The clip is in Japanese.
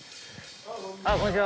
あっ、こんにちは。